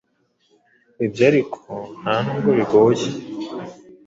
Ibyo ariko nta n’ubwo bigoye;